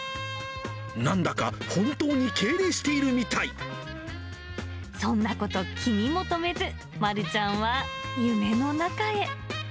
なんだか本当に敬礼しているそんなこと、気にも留めず、マルちゃんは夢の中へ。